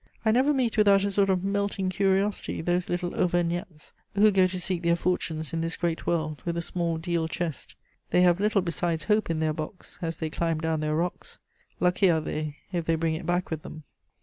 I never meet without a sort of melting curiosity those little Auvergnats who go to seek their fortunes in this great world with a small deal chest. They have little besides hope in their box, as they climb down their rocks: lucky are they if they bring it back with them!